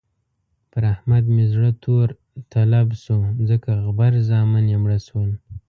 پر احمد مې زړه تور تلب شو ځکه غبر زامن يې مړه شول.